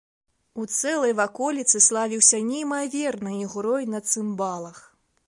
У цэлай ваколіцы славіўся неймавернай ігрой на цымбалах.